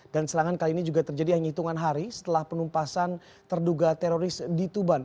dan serangan kali ini juga terjadi hanya hitungan hari setelah penumpasan terduga teroris di tuban